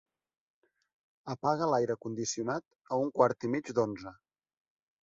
Apaga l'aire condicionat a un quart i mig d'onze.